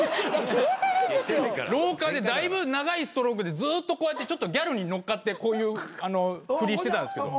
廊下でだいぶ長いストロークでずっとこうやってギャルに乗っかってこういうふりしてたんですけど。